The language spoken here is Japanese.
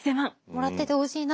もらっててほしいな。